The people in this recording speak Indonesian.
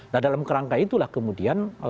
nah dalam kerangka itulah kemudian